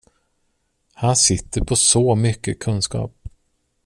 Han sitter på så mycket kunskap.